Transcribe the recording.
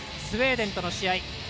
スウェーデンとの試合。